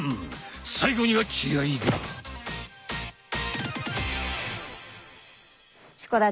最後には気合いだ！